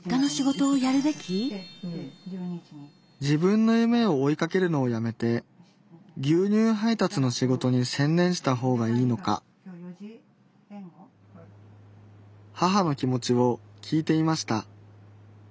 自分の夢を追いかけるのをやめて牛乳配達の仕事に専念した方がいいのか母の気持ちを聞いてみました